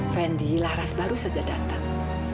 fendi laras baru saja datang